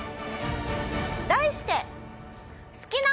題して。